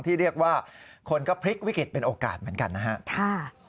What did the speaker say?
ชุดทุกคนก็พลิกวิกฤตเป็นโอกาสเหมือนกันนะฮะ